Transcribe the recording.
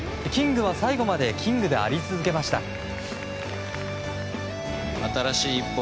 キングは最後までキングであり続けました。